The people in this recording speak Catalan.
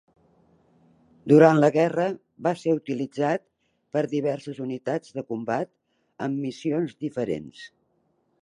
Durant la guerra va ser utilitzat per diverses unitats de combat amb missions diferents.